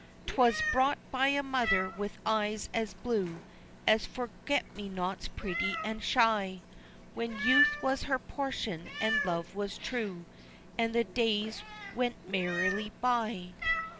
'Twas bought by a mother with eyes as blue As forget me nots pretty and shy, When youth was her portion, and love was true, And the days went merrily by.